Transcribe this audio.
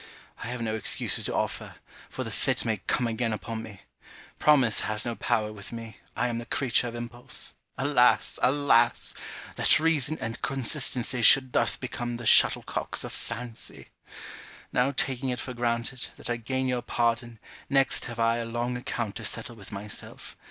I have no excuses to offer, for the fit may come again upon me. Promise has no power with me, I am the creature of impulse. Alas! Alas! that reason and consistency should thus become the shuttlecocks of fancy! Now taking it for granted, that I gain your pardon, next have I a long account to settle with myself.